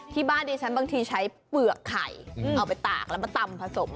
ที่บ้านดิฉันบางทีใช้เปลือกไข่เอาไปตากแล้วมาตำผสม